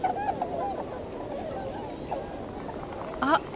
あっ！